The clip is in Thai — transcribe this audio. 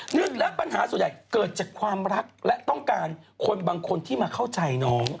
หนึ่งและปัญหาส่วนใหญ่เกิดจากความรักและต้องการคนบางคนที่มาเข้าใจน้อง